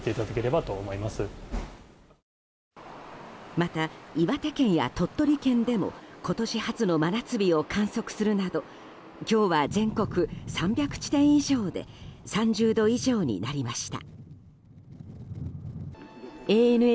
また、岩手県や鳥取県でも今年初の真夏日を観測するなど今日は全国３００地点以上で３０度以上になりました。